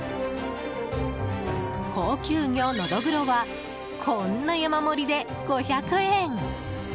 高級魚ノドグロはこんな山盛りで５００円。